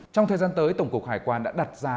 trong thời gian tới tổng cục hải quan đã đặt ra